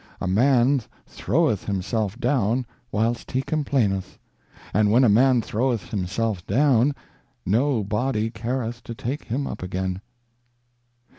' A Man throweth himself down whilst he complaineth ; and when a Man throweth himself down, no body careth to take him up again.'